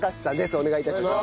お願い致します。